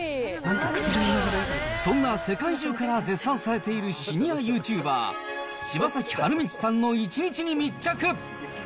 そんな世界中から絶賛されているシニアユーチューバー、柴崎春通さんの１日に密着。